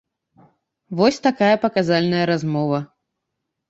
Вось такая паказальная размова.